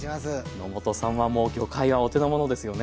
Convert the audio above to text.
野本さんはもう魚介はお手のものですよね。